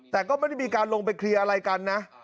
แต่ก็ไม่ได้มีการลงไปเคลียร์อะไรกันนะ